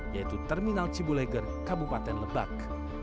yaitu terminal cibuleger kabupaten lebak